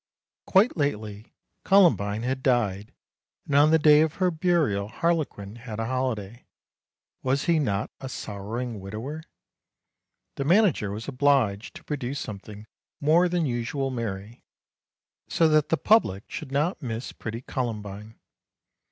WHAT THE MOON SAW 247 " Quite lately Columbine had died, and on the day of her burial Harlequin had a holiday; was he not a sorrowing widower? The manager was obliged to produce something more than usually merry, so that the public should not miss pretty Columbine.